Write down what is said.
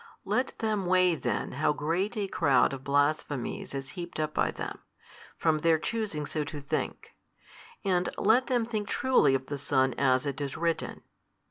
Let them weigh then how great a crowd of blasphemies |252 is heaped up by them, from their choosing so to think, and let them think truly of the Son as it is written.